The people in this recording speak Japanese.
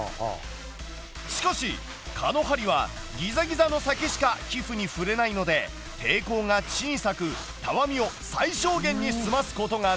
しかし蚊の針はギザギザの先しか皮膚に触れないので抵抗が小さくたわみを最小限に済ますことができる。